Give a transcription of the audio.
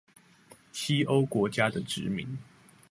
西歐國家的殖民